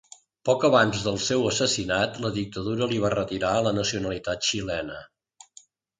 Poc abans del seu assassinat, la dictadura li va retirar la nacionalitat xilena.